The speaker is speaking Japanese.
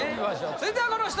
続いてはこの人。